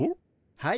はい。